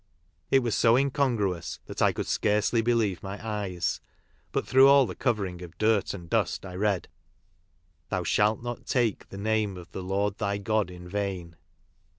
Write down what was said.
It was so incongruous that I could scarcely elieve my eyes; but through all the covering of dirt and dust I read — Thou shalt not take the name of the Lord thy God in vain.